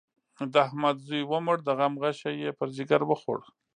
د احمد زوی ومړ؛ د غم غشی يې پر ځيګر وخوړ.